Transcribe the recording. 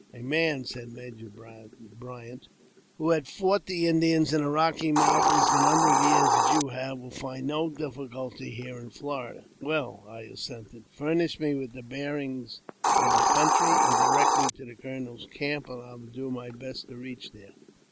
'' A man," said Major Bryant, " who has fought the Indians in the Kocky Mountains khe number of years that you have, will find no difficulty here in Florida." 22 338 AUTOBIOGBAPHY OF " Well," I assented, " furnish me with the bearings of th country, and direct me to the colonel's camp, and I will do m best to reach there."